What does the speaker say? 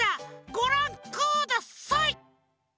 ごらんください！